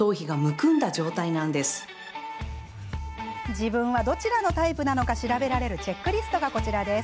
自分はどちらのタイプなのか調べられるチェックリストがこちらです。